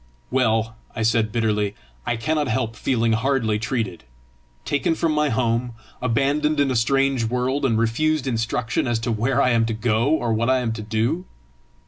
"Well," I said bitterly, "I cannot help feeling hardly treated taken from my home, abandoned in a strange world, and refused instruction as to where I am to go or what I am to do!"